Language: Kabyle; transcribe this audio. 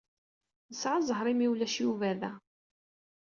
Nesɛa zzheṛ imi ulac Yuba da.